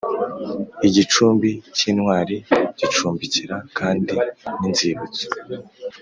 Igicumbi cy intwari gicumbikira kandi n inzibutso